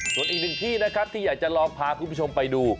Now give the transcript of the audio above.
ส่วนอีกหนึ่งที่นะครับที่อยากจะลองพาคุณผู้ชมไปดู